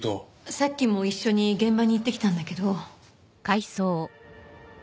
さっきも一緒に現場に行ってきたんだけど。